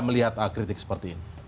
melihat kritik seperti ini